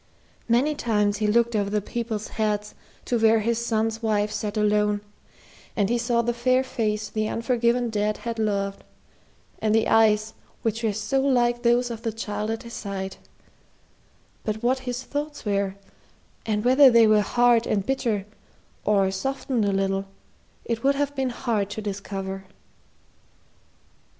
Many times he looked over the people's heads to where his son's wife sat alone, and he saw the fair face the unforgiven dead had loved, and the eyes which were so like those of the child at his side; but what his thoughts were, and whether they were hard and bitter, or softened a little, it would have been hard to discover.